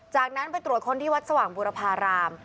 จากนั้นไปตรวจคนที่วัดสว่างบุรพาราม